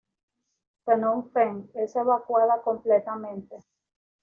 Phnom Penh es evacuada completamente.